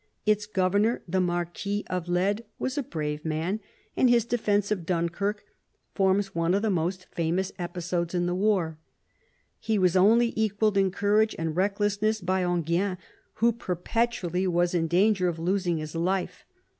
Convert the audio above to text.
Its governor, the Marquis of Leyde, was a brave man, and his defence of Dunkirk forms one of the most famous episodes in the war. He was only equalled in courage and recklessness by Enghien, who perpetually was in danger of losing his life.